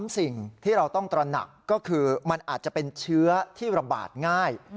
สิ่งที่เราต้องตระหนักก็คือมันอาจจะเป็นเชื้อที่ระบาดง่าย